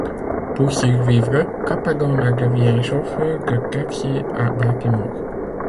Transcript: Pour survivre, Cappadonna devient chauffeur de taxi à Baltimore.